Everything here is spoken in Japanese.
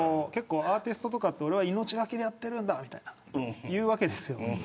アーティストとかって俺は命懸けでやっているんだみたいなの言うわけです。